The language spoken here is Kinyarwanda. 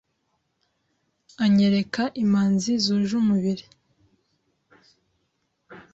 Anyereka imanzi zuje umubiri,